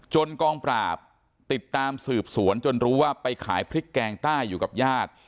กองปราบติดตามสืบสวนจนรู้ว่าไปขายพริกแกงใต้อยู่กับญาติ